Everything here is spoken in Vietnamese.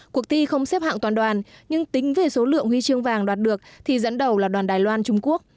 cuộc thi không xếp hạng toàn đoàn nhưng tính về số lượng huy chương vàng đạt được thì dẫn đầu là đoàn đài loan trung quốc